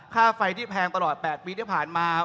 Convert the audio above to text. ค่าไฟที่แพงตลอด๘ปีที่ผ่านมา